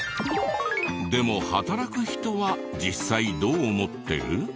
でも働く人は実際どう思ってる？